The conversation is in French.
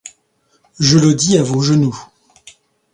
Je le dis à vos genoux.